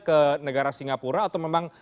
ke negara singapura atau memang